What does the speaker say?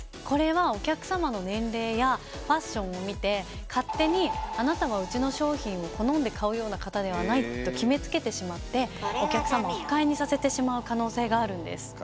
これはお客様の年齢やファッションを見て勝手に「あなたはうちの商品を好んで買うような方ではない」と決めつけてしまってお客様を不快にさせてしまう可能性があるんです。